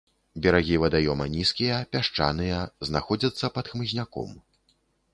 Берагі вадаёма нізкія, пясчаныя, знаходзяцца пад хмызняком.